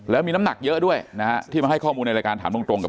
แล้วมีน้ำหนักเยอะด้วยนะฮะที่มาให้ข้อมูลในรายการถามตรงกับ